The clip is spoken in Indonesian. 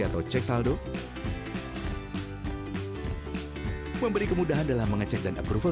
terima kasih banyak